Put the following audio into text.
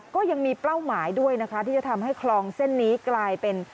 ก็ยังมีเป้าหมายด้วยนะคะที่จะทำให้คลองเส้นนี้กลายเป็น